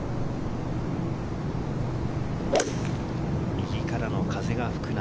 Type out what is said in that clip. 右からの風が吹く中。